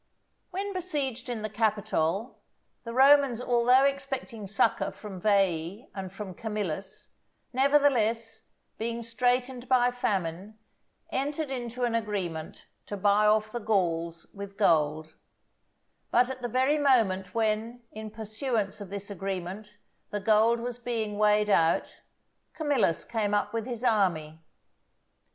When besieged in the Capitol, the Romans although expecting succour from Veii and from Camillus, nevertheless, being straitened by famine, entered into an agreement to buy off the Gauls with gold But at the very moment when, in pursuance of this agreement, the gold was being weighed out, Camillus came up with his army.